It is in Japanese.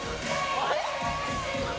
あれ？